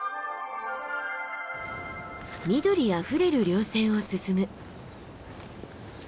緑あふれる稜線を進む。